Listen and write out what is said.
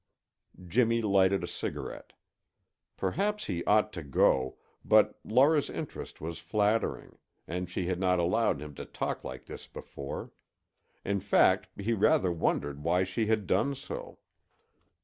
Jimmy lighted a cigarette. Perhaps he ought to go, but Laura's interest was flattering and she had not allowed him to talk like this before. In fact, he rather wondered why she had done so.